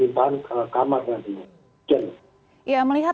ya melihat data data pariwisata nasional banyak sekali yang meningkat